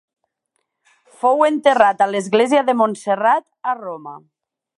Fou enterrat a l'església de Montserrat a Roma.